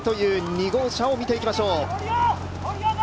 ２号車を見ていきます。